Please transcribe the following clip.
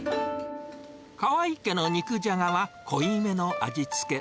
川合家の肉じゃがは、濃いめの味付け。